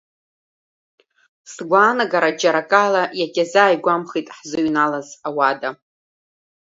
Сгәаанагара џьара акала иагьазааигәамхеит ҳзыҩналаз ауада.